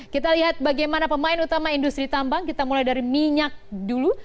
kita lihat bagaimana pemain utama industri tambang kita mulai dari minyak dulu